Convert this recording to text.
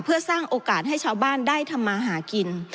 เพื่อสร้างโอกาสให้ชาวบ้านได้ทำมาหากิน